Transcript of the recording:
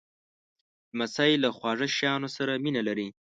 لمسی له خواږه شیانو سره مینه لري.